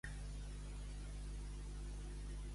Encara és un personatge rellevant el Moș Gerilă?